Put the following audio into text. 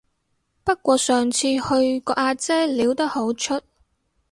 不過上次去個阿姐撩得好出